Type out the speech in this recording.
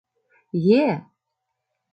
«Е.